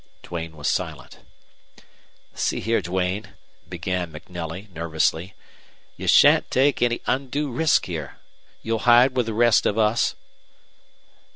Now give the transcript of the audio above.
Duane was silent. "See here, Duane," began MacNelly, nervously. "You shan't take any undue risk here. You'll hide with the rest of us?"